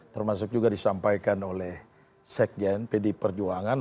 termasuk juga disampaikan oleh sekjen pd perjuangan